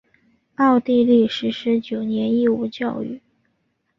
奥地利实施九年义务教育。